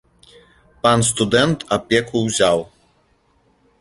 Пан студэнт апеку ўзяў.